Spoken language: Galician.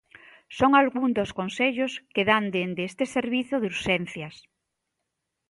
Son algúns dos consellos que dan dende este servizo de urxencias.